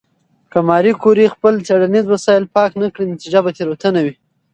که ماري کوري خپل څېړنیز وسایل پاک نه کړي، نتیجه به تېروتنه وي.